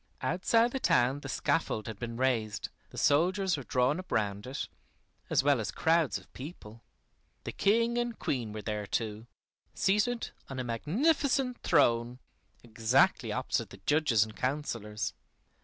Outside the town the scaffold had been raised, the soldiers were drawn up round it, as well as crowds of people. The King and Queen were there too, seated on a magnificent throne, exactly opposite the judges and councilors.